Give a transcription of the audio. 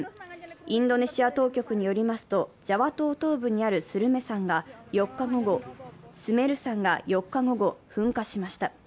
インドネシア当局によりますと、ジャワ島東部にあるスメル山が４日午後、噴火しました。